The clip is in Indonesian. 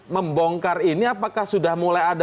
membongkar ini apakah sudah mulai ada